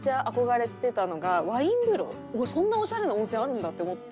そんなオシャレな温泉あるんだって思って。